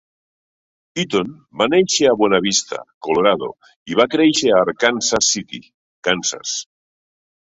Eaton va néixer a Buena Vista, Colorado, i va créixer a Arkansas City, Kansas.